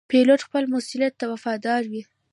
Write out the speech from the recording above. پیلوټ خپل مسؤولیت ته وفادار وي.